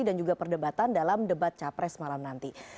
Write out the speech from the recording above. dan juga perdebatan dalam debat capres malam nanti